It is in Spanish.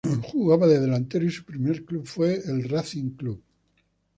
Jugaba de delantero y su primer club fue Racing Club.